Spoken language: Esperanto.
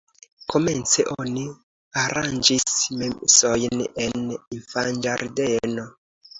Komence oni aranĝis mesojn en infanĝardeno.